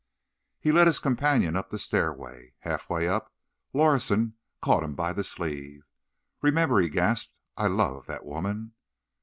He led his companion up the stairway. Halfway up, Lorison caught him by the sleeve. "Remember," he gasped, "I love that woman."